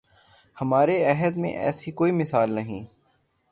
ہمارے عہد میں ایسی کوئی مثال نہیں